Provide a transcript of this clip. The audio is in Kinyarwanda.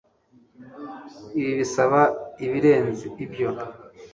ibi bisaba ibirenze ibyo